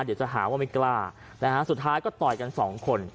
เดี๋ยวจะหาว่าไม่กล้านะฮะสุดท้ายก็ต่อยกันสองคน